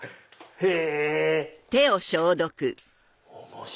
へぇ！